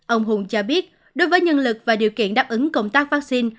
ông hùng cho biết đối với nhân lực và điều kiện đáp ứng công tác vaccine